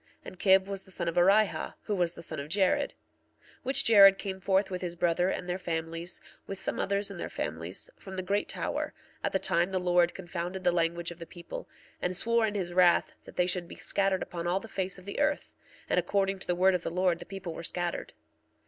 1:32 And Kib was the son of Orihah, who was the son of Jared; 1:33 Which Jared came forth with his brother and their families, with some others and their families, from the great tower, at the time the Lord confounded the language of the people, and swore in his wrath that they should be scattered upon all the face of the earth; and according to the word of the Lord the people were scattered.